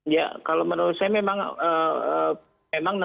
ya kalau menurut saya memang negara sudah mulai harus membiayai ya